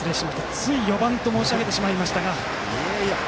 つい４番と申し上げてしまいましたが。